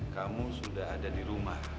kamu sudah ada di rumah